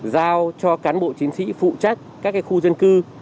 giao cho cán bộ chiến sĩ phụ trách các khu dân cư